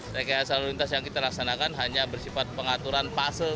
rekan lintas yang kita laksanakan hanya bersifat pengaturan pasang